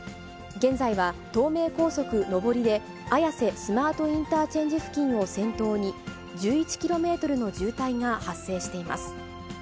現在は東名高速上りで、綾瀬スマートインターチェンジ付近を先頭に、１１キロメートルの渋滞が発生しています。